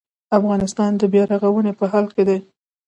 افغانستان د بیا رغونې په حال کې دی